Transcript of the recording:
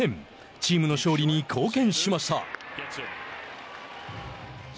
チームの勝利に貢献しました。